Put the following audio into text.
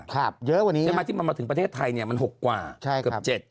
เยอะกว่านี้ที่มาถึงประเทศไทยมัน๖กว่าเกือบ๗